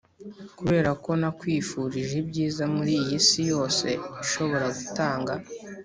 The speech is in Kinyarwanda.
'kuberako nakwifurije ibyiza muri iyi si yose ishobora gutanga